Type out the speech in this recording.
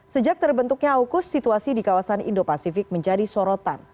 sejak terbentuknya aukus situasi di kawasan indo pasifik menjadi sorotan